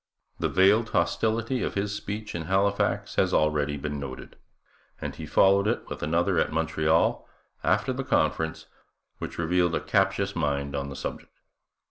The veiled hostility of his speech in Halifax has already been noted; and he followed it with another at Montreal, after the conference, which revealed a captious mind on the subject.